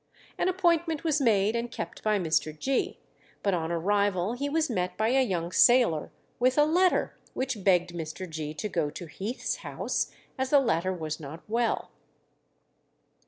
An appointment was made and kept by Mr. Gee, but on arrival he was met by a young sailor with a letter which begged Mr. Gee to go to Heath's house, as the latter was not well.